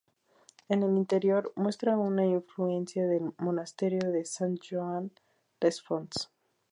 En el interior, muestra una influencia del monasterio de Sant Joan les Fonts.